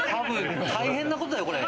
大変なことだよ、これ。